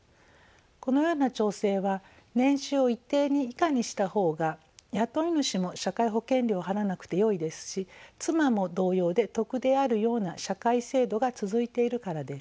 このような調整は年収を一定以下にした方が雇い主も社会保険料を払わなくてよいですし妻も同様で得であるような社会制度が続いているからです。